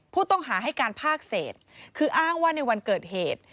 ผู้ต้องหาให้การภาคเศษคืออ้างว่าในวันเกิดเหตุ